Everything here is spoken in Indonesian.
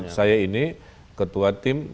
saya ini ketua tim